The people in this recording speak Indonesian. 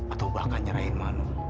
atau bahkan nyerahin mano